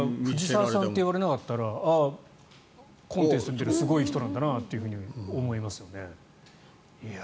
藤澤さんって言われなかったらコンテストに出るすごい人なんだなと思いますよね。